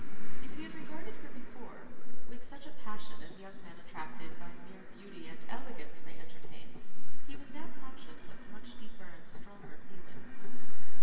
If he had regarded her before, with such a passion as young men attracted by mere beauty and elegance may entertain, he was now conscious of much deeper and stronger feelings.